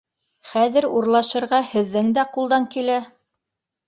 Хәҙер урлашырға һеҙҙең дә ҡулдан килә!